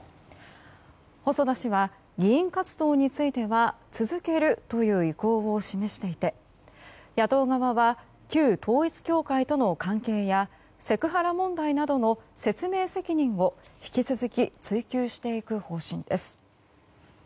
細田氏は議員活動については続けるという意向を示していて野党側は、旧統一教会との関係やセクハラ問題などの説明責任を引き続き追及していく方針です。